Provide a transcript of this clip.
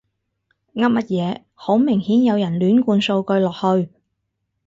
噏乜嘢，好明顯有人亂灌數據落去